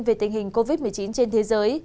về tình hình covid một mươi chín trên thế giới